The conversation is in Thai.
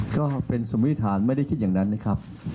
ก็เป็นสมมุติฐานไม่ได้คิดอย่างนั้นนะครับ